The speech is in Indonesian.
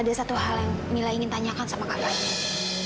ada satu hal yang mila ingin tanyakan sama kakaknya